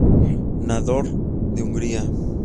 Nádor de Hungría.